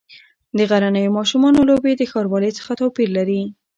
د غرنیو ماشومانو لوبې د ښاروالۍ څخه توپیر لري.